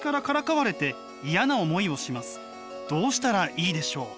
「どうしたらいいでしょう？」。